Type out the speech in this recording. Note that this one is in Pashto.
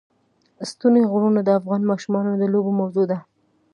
ستوني غرونه د افغان ماشومانو د لوبو موضوع ده.